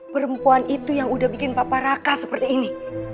perempuan itu yang udah bikin papa raka seperti ini